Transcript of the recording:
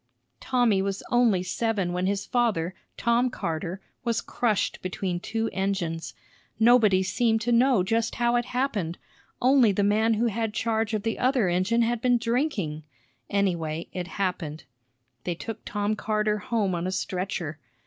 Tommy was only seven when his father, Tom Carter, was crushed between two engines. Nobody seemed to know just how it happened, only the man who had charge of the other engine had been drinking; anyway, it happened. They took Tom Carter home on a stretcher.